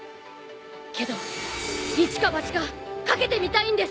けどイチかバチか懸けてみたいんです！